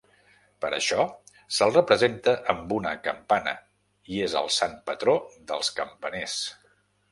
Per això, se'l representa amb una campana i és el sant patró dels campaners.